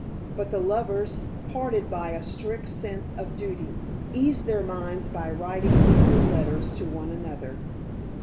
But the lovers, parted by a strict sense of duty, eased their minds by writing weekly letters to one another.